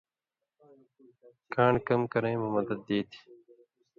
کان٘ڑ کم کرَیں مہ مدد دی تھی۔